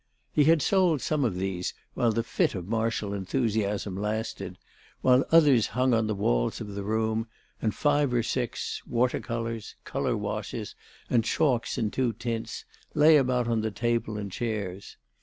He had sold some of these while the fit of martial enthusiasm lasted, while others hung on the walls of the room, and five or six, water colours, colour washes and chalks in two tints, lay about on the table and chairs.